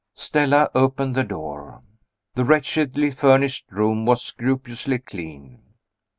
Stella opened the door. The wretchedly furnished room was scrupulously clean.